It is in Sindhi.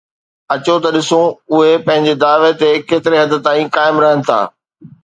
اچو ته ڏسون ته اهي پنهنجي دعويٰ تي ڪيتري حد تائين قائم رهن ٿا